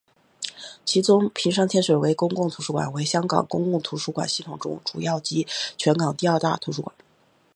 其中屏山天水围公共图书馆为香港公共图书馆系统中主要及全港第二大图书馆。